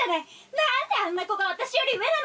何であんな子が私より上なの！